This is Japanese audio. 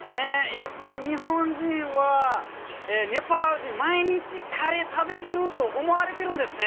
やっぱり日本人はネパール人毎日カレー食べてると思われてるんですね。